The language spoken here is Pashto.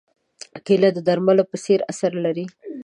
کېله د درملو په څېر اثر لري.